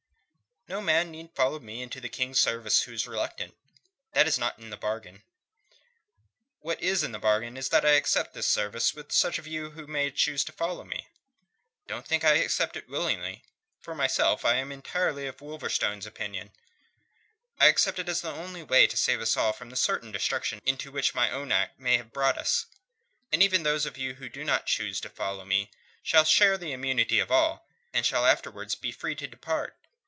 "No man need follow me into the King's service who is reluctant. That is not in the bargain. What is in the bargain is that I accept this service with such of you as may choose to follow me. Don't think I accept it willingly. For myself, I am entirely of Wolverstone's opinion. I accept it as the only way to save us all from the certain destruction into which my own act may have brought us. And even those of you who do not choose to follow me shall share the immunity of all, and shall afterwards be free to depart.